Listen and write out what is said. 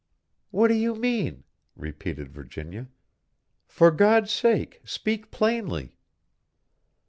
"What do you mean?" repeated Virginia; "for God's sake speak plainly!"